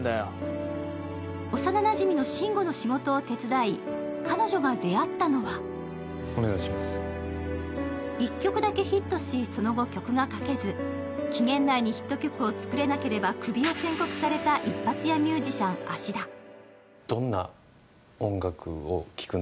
幼なじみの慎吾の仕事を手伝い、彼女が出会ったのは１曲だけヒットし、その後曲が書けず、期限内にヒット曲を作れなければクビを宣告された一発屋ミュージシャン・芦田。